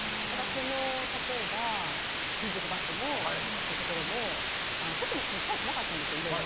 例えば、金属バットのところも特に書いてなかったんです。